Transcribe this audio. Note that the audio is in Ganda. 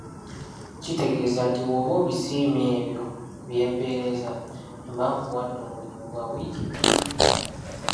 Kitegeeza nti bw'oba obisiimye ebyo bye mpeerezza, mba nkuwadde omulimu gwa wiiki bbiri.